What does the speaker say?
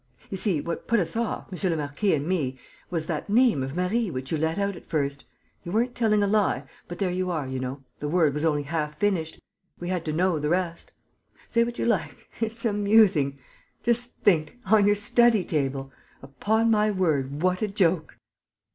You see, what put us off, monsieur le marquis and me, was that name of Marie which you let out at first. You weren't telling a lie; but there you are, you know: the word was only half finished. We had to know the rest. Say what you like, it's amusing! Just think, on your study table! Upon my word, what a joke!"